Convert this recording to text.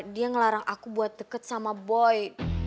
dia ngelarang aku buat deket sama boy